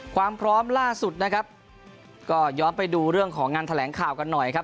ความพร้อมล่าสุดนะครับก็ย้อนไปดูเรื่องของงานแถลงข่าวกันหน่อยครับ